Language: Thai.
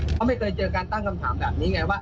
เขาไม่เคยเจอการตั้งคำถามแบบนี้ไงว่า